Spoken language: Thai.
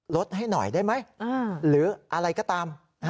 ลดให้หน่อยได้ไหมหรืออะไรก็ตาม